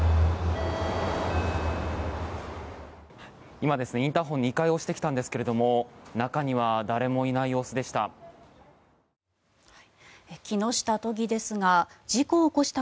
今、インターホン２回押してきたんですけど中には誰もいない様子でした。